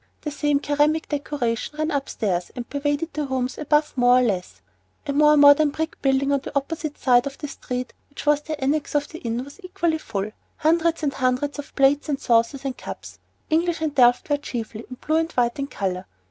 The same ceramic decoration ran upstairs and pervaded the rooms above more or less; a more modern brick building on the opposite side of the street which was the "annex" of the Inn, was equally full; hundreds and hundreds of plates and saucers and cups, English and Delft ware chiefly, and blue and white in color.